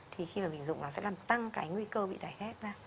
thì khi mà mình dùng nó sẽ làm tăng cái nguy cơ bị tải hép ra